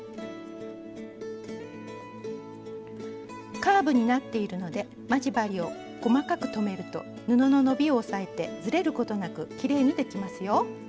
カーブになっているので待ち針を細かく留めると布の伸びを抑えてずれることなくきれいにできますよ。